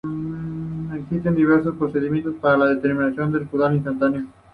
Existen diversos procedimientos para la determinación del caudal instantáneo.